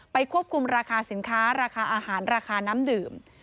ควบคุมราคาสินค้าราคาอาหารราคาน้ำดื่ม